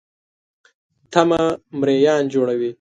تمه مریان جوړوي.